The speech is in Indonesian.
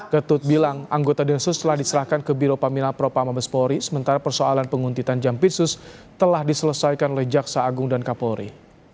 ketut bilang anggota densus telah diserahkan ke biro pamina propa mabespori sementara persoalan penguntitan jampitsus telah diselesaikan oleh jaksa agung dan kapolri